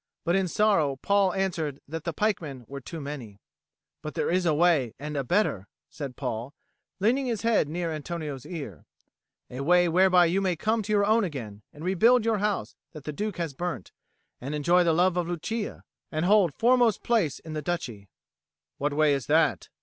But in sorrow Paul answered that the pikemen were too many. "But there is a way, and a better," said Paul, leaning his head near to Antonio's ear. "A way whereby you may come to your own again, and rebuild your house that the Duke has burnt, and enjoy the love of Lucia, and hold foremost place in the Duchy." "What way is that?"